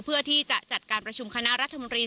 เพื่อที่จะจัดการประชุมคณะรัฐมนตรี